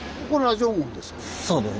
そうです。